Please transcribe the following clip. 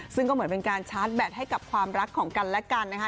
ซึ่งก็เหมือนเป็นการชาร์จแบตให้กับความรักของกันและกันนะคะ